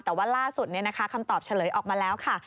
แต่ว่าล่าสุดคำตอบเฉลยออกมาแล้วค่ะ